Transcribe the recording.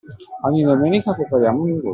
Ogni Domenica prepariamo un dolce.